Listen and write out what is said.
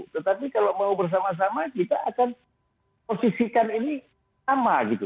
tetapi kalau mau bersama sama kita akan posisikan ini sama gitu